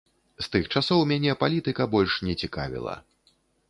З тых часоў мяне палітыка больш не цікавіла.